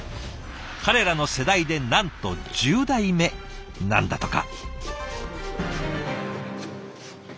彼らの世代でなんと１０代目なんだとか。